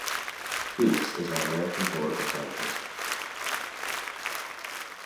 Weeks is an American political scientist.